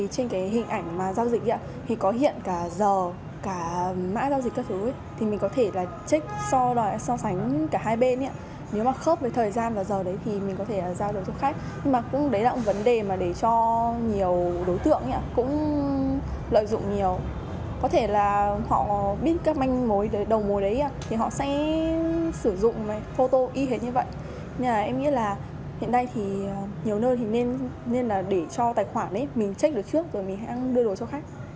sử dụng này phô tô y hệt như vậy nên là em nghĩ là hiện nay thì nhiều nơi thì nên là để cho tài khoản ấy mình check được trước rồi mình hãy đưa đồ cho khách